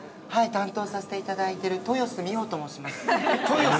担当させていただいている豊洲美穂と申します。